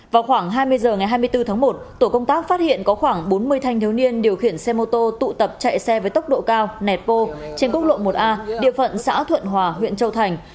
vào khoảng hai mươi h ngày hai mươi bốn tháng một tổ công tác phát hiện có khoảng bốn mươi thanh thiếu niên điều khiển xe mô tô tụ tập chạy xe với tốc độ cao nẹt bô trên quốc lộ một a địa phận xã thuận hòa huyện châu thành